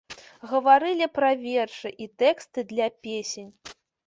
Гаварылі пра вершы і тэксты для песень.